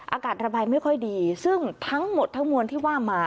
อากาศระบายไม่ค่อยดีซึ่งทั้งหมดทั้งมวลที่ว่ามา